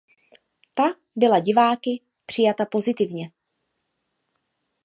Ta byla diváky přijata pozitivně.